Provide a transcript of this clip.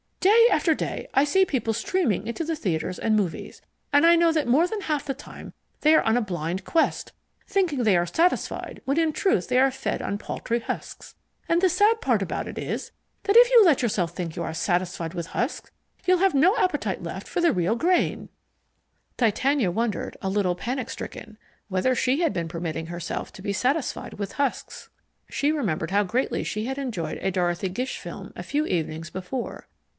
Day after day I see people streaming into theatres and movies, and I know that more than half the time they are on a blind quest, thinking they are satisfied when in truth they are fed on paltry husks. And the sad part about it is that if you let yourself think you are satisfied with husks, you'll have no appetite left for the real grain." Titania wondered, a little panic stricken, whether she had been permitting herself to be satisfied with husks. She remembered how greatly she had enjoyed a Dorothy Gish film a few evenings before.